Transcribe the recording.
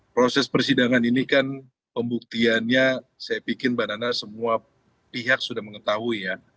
proses persidangan ini kan pembuktiannya saya pikir mbak nana semua pihak sudah mengetahui ya